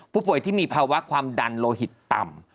ผู้ป่วยที่มีภาวะความดันโลหิตต่ำ